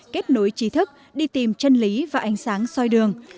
kết nối trí thức đi tìm chân lý và ánh sáng soi đường